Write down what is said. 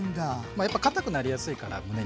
やっぱかたくなりやすいからむね肉は。